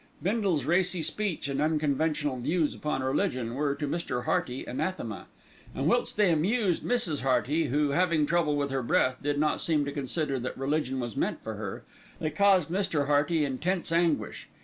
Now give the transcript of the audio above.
Bindle's racy speech and unconventional views upon religion were to Mr. Hearty anathema, and whilst they amused Mrs. Hearty, who, having trouble with her breath, did not seem to consider that religion was meant for her, they caused Mr. Hearty intense anguish.